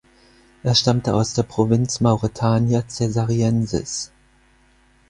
Er stammte aus der Provinz Mauretania Caesariensis.